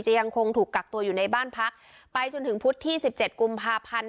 ยังคงถูกกักตัวอยู่ในบ้านพักไปจนถึงพุธที่๑๗กุมภาพันธ์